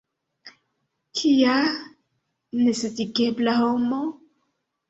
Kia nesatigebla homo!